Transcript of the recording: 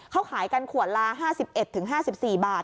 เขาขายการขวดละ๕๑ถึง๕๔บาท